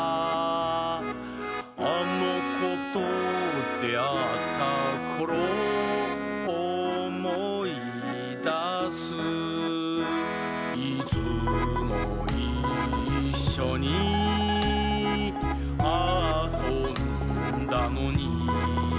「あのことであったころおもいだす」「いつもいっしょに」「あそんだのに」